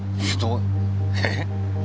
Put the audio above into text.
えっ？